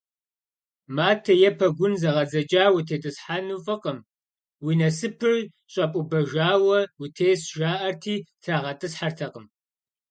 Матэ е пэгун зэгъэдзэкӀа утетӀысхьэну фӀыкъым, уи насыпыр щӀэпӀубэжауэ утесщ, жаӀэрти трагъэтӀысхьэртэкъым.